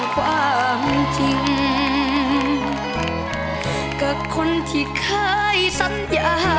เพื่อกันหน้าที่ไทย